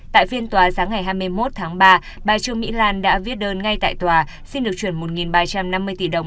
tại phiên tòa sáng ngày hai mươi một tháng ba bà trương mỹ lan đã viết đơn ngay tại tòa xin được chuyển một ba trăm năm mươi tỷ đồng